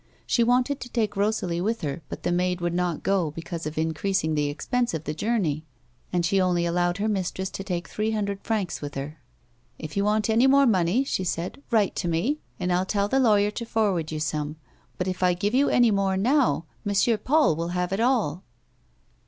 She wanted to take Eosalie with her, but the maid would not go because of increasing the expense of the journey, and she only allowed her mistress to take three hundred francs with her. " If you want any more money," she said, " write to mc, and I'll tell the lawyer to forward you some ; but if I give you any more now. Monsieur Paul will have it all."